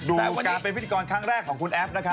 ดูการเป็นพิธีกรครั้งแรกของคุณแอฟนะคะ